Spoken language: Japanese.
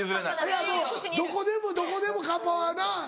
いやもうどこでもどこでもカッパはな